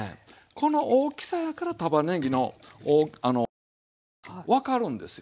この大きさやからたまねぎのおいしさが分かるんですよ。